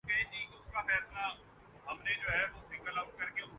مثالی صورت تو دونوں کا امتزاج ہے۔